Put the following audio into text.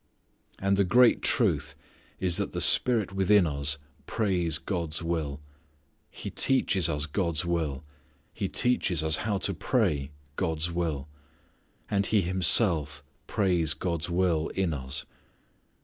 And the great truth is that the Spirit within us prays God's will. He teaches us God's will. He teaches us how to pray God's will. And He Himself prays God's will in us.